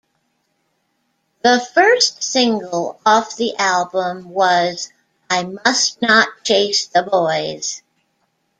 The first single off the album was "I Must Not Chase the Boys".